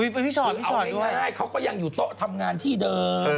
เป็นไงเขาก็ยังอยู่โต๊ะทำงานที่เดิม